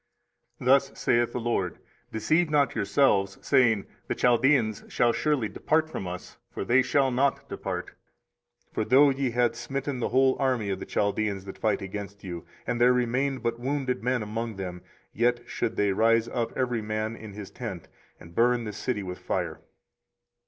24:037:009 Thus saith the LORD; Deceive not yourselves, saying, The Chaldeans shall surely depart from us: for they shall not depart. 24:037:010 For though ye had smitten the whole army of the Chaldeans that fight against you, and there remained but wounded men among them, yet should they rise up every man in his tent, and burn this city with fire.